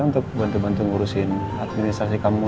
untuk bantu bantu ngurusin administrasi kamu